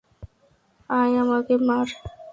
আয়, আমাকে মার!